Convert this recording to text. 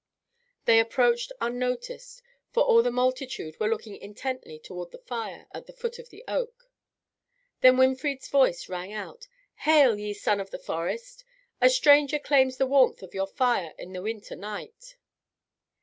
They approached unnoticed, for all the multitude were looking intently toward the fire at the foot of the oak. Then Winfried's voice rang out, "Hail, ye sons of the forest! A stranger claims the warmth of your fire in the winter night."